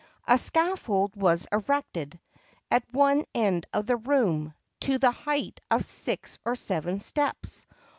A scaffold was erected, at one end of the room, to the height of six or seven steps.